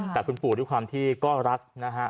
แต่คุณปู่ด้วยความที่ก็รักนะฮะ